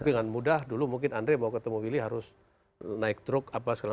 dengan mudah dulu mungkin andre mau ketemu willy harus naik truk